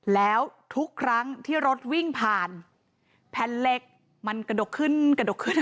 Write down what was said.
แล้วทุกครั้งที่รถวิ่งผ่านแผ่นเหล็กมันกระดกขึ้นกระดกขึ้น